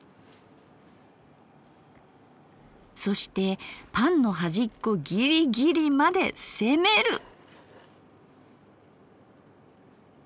そしてパンの端っこぎりぎりまで攻める！